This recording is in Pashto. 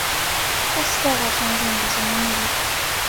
بس دغه شان ژوند دې زما نه وي